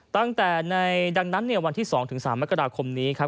ตั้งแต่ในดังนั้นวันที่๒๓มกราคมนี้ครับ